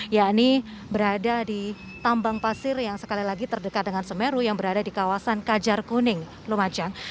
yakni berada di tambang pasir yang sekali lagi terdekat dengan semeru yang berada di kawasan kajar kuning lumajang